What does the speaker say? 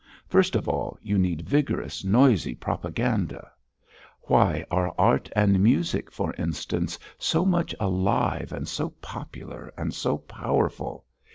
First of all, you need vigorous, noisy, propaganda. Why are art and music, for instance, so much alive and so popular and so powerful?